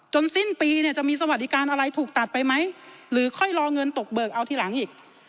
สิ้นปีเนี่ยจะมีสวัสดิการอะไรถูกตัดไปไหมหรือค่อยรอเงินตกเบิกเอาทีหลังอีก